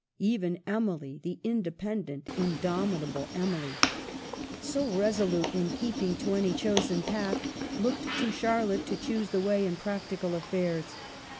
Even Emily, the independent, indomitable Emily, so resolute in keeping to any chosen path, looked to Charlotte to choose the way in practical affairs.